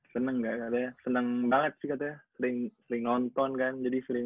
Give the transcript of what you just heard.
seneng gak katanya senang banget sih katanya sering sering nonton kan jadi sering